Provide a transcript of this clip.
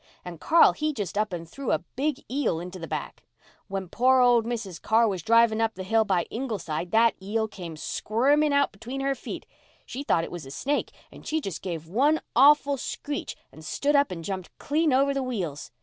And Carl he just up and threw a big eel into the back. When poor old Mrs. Carr was driving up the hill by Ingleside that eel came squirming out between her feet. She thought it was a snake and she just give one awful screech and stood up and jumped clean over the wheels.